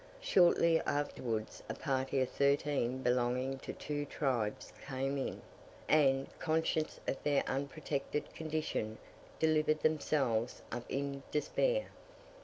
Shortly afterwards a party of thirteen belonging to two tribes came in; and, conscious of their unprotected condition, delivered themselves up in despair.